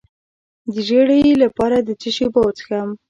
د ژیړي لپاره د څه شي اوبه وڅښم؟